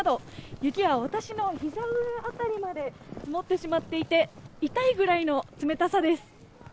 雪は私のひざ上辺りまで積もってしまっていて、痛いぐらいの冷た